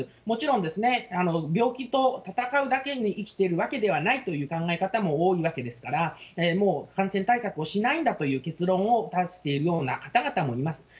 もちろんですね、病気と闘うだけに生きているわけではないという考え方も多いわけですから、もう感染対策をしないんだという結論を出しているような方もいます。